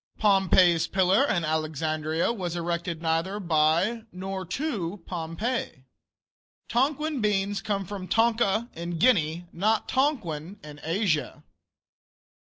Pompey's Pillar, in Alexandria, was erected neither by nor to Pompey. Tonquin beans come from Tonka, in Guinea, not Tonquin, in Asia.